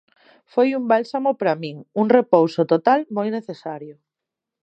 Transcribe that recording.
Foi un bálsamo para min, un repouso total moi necesario.